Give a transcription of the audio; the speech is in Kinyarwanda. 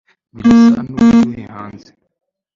birasa n'ubushyuhe hanze